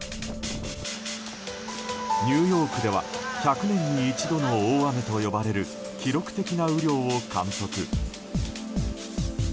ニューヨークでは１００年に一度の大雨と呼ばれる記録的な雨量を観測。